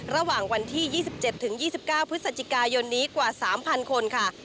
ระหว่างวันที่๒๗๒๙พฤศจิกายนนี้กว่า๓๐๐คนค่ะ